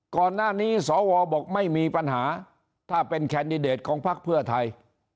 ก่อนหน้านี้สวบอกไม่มีปัญหาถ้าเป็นแคนดิเดตของพักเพื่อไทย